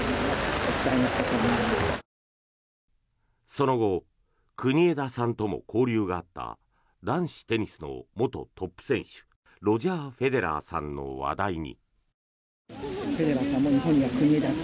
その後国枝さんとも交流があった男子テニスの元トップ選手ロジャー・フェデラーさんの話題に。